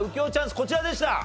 こちらでした。